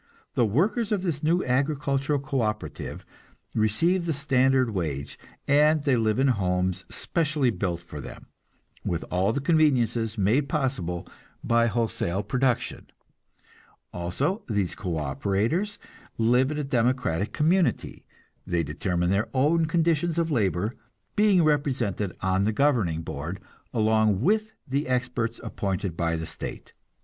The workers of this new agricultural co operative receive the standard wage, and they live in homes specially built for them, with all the conveniences made possible by wholesale production. Also, these co operators live in a democratic community; they determine their own conditions of labor, being represented on the governing board, along with the experts appointed by the state.